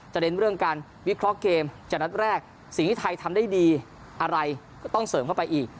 เน้นเรื่องการวิเคราะห์เกมจากนัดแรกสิ่งที่ไทยทำได้ดีอะไรก็ต้องเสริมเข้าไปอีก